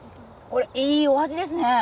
いいお味ですね。